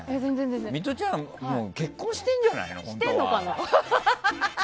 ミトちゃん結婚してるんじゃない？